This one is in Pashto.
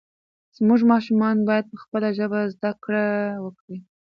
زموږ ماشومان باید په خپله ژبه زده کړه وکړي.